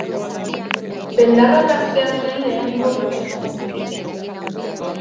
Beldarrak haztea zen lehenengo prozesua.